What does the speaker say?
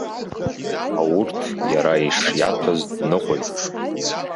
Аурҭ иара ишиаҭәаз дныҟәеит…